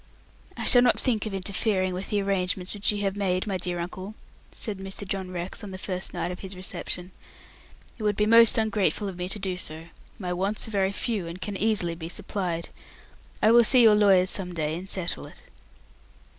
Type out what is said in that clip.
"I shall not think of interfering with the arrangements which you have made, my dear uncle," said Mr. John Rex, on the first night of his reception. "It would be most ungrateful of me to do so. My wants are very few, and can easily be supplied. I will see your lawyers some day, and settle it."